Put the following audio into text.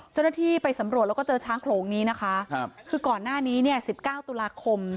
เจ้าหน้าที่ไปสำรวจแล้วก็เจอช้างโขลงนี้นะคะครับคือก่อนหน้านี้เนี่ย๑๙ตุลาคม